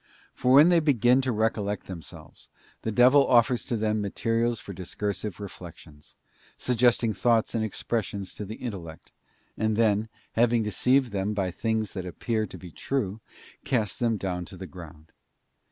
For when they begin to recollect them selves, the devil offers to them materials for discursive reflections, suggesting thoughts and expressions to the intel lect ; and then, having deceived them by things that appear to be true, casts them down to the ground.